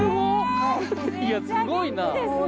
いやすごいな！